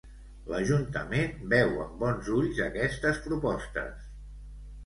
L'Ajuntament veu amb bons ulls aquestes propostes.